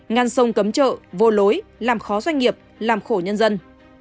ngăn sông cấm chợ vô lối làm khó doanh nghiệp làm khổ nhân dân